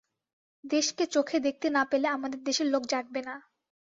দেশকে চোখে দেখতে না পেলে আমাদের দেশের লোক জাগবে না।